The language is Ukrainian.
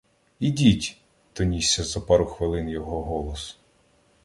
— Ідіть! — донісся за пару хвилин його голос.